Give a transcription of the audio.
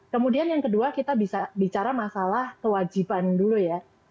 kemudian yang kedua kita bisa bicara masalah kewajiban dulu ya